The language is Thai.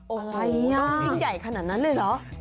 อะไรนี้น่ะยิ่งใหญ่ขนาดนั้นเลยเหรอ